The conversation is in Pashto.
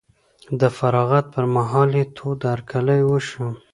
د فراغت پر مهال یې تود هرکلی وشو.